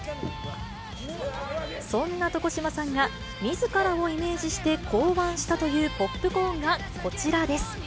そんな床島さんがみずからをイメージして考案したというポップコーンがこちらです。